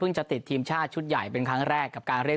จะติดทีมชาติชุดใหญ่เป็นครั้งแรกกับการเรียก